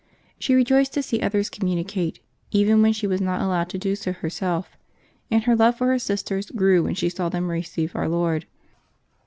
She re joiced to see others communicate, even when she was not allowed to do so herself ; and her love for her sisters grew when she saw them receive Our Lord.